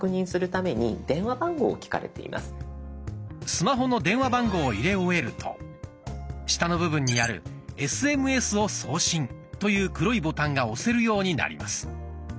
スマホの電話番号を入れ終えると下の部分にある「ＳＭＳを送信」という黒いボタンが押せるようになります。